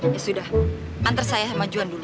ya sudah antar saya sama juan dulu